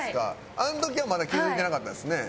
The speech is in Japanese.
あの時はまだ気付いてなかったんですね？